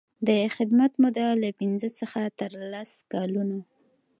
د خدمت موده له پنځه څخه تر لس کلونو.